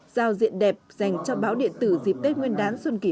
giao diện đẹp dành cho báo điện tử dịp tết nguyên đán xuân kỳ hơi